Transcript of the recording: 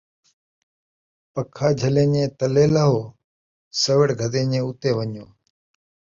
پکھا جھلیندے تلے لہوو، سوڑ گھتیندے اُتے ونڄو